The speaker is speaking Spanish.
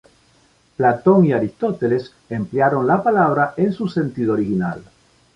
Platón y Aristóteles emplearon la palabra en su sentido original.